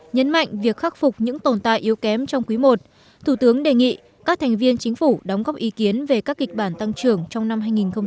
nhấn mạnh việc khắc phục những tồn tại yếu kém trong quý i thủ tướng đề nghị các thành viên chính phủ đóng góp ý kiến về các kịch bản tăng trưởng trong năm hai nghìn hai mươi